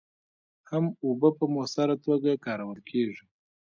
هم اوبه په مؤثره توکه کارول کېږي.